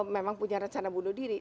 memang punya rencana bunuh diri